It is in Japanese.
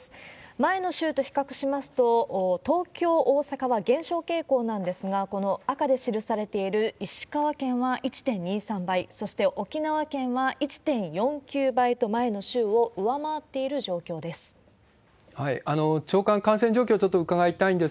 前の週と比較しますと、東京、大阪は減少傾向なんですが、この赤で記されている石川県は１．２３倍、そして沖縄県は１．４９倍と、前の週を上回っている状況です。